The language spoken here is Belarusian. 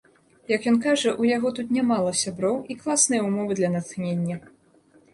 Як ён кажа, у яго тут нямала сяброў і класныя ўмовы для натхнення.